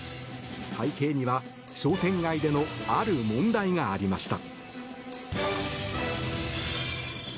背景には、商店街でのある問題がありました。